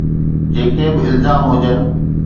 جيڪي به الزام هجن.